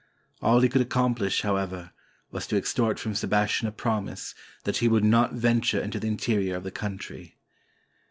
All he could accomplish, however, was to extort from Sebastian a promise that he would not venture into the interior of the country.